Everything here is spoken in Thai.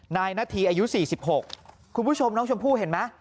นาธีอายุ๔๖คุณผู้ชมน้องชมพู่เห็นไหม